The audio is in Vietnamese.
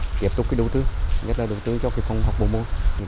để tiếp tục đầu tư nhất là đầu tư cho phòng học bốn buổi